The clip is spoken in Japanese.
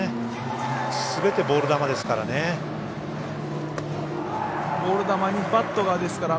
すべてボール球ですからね。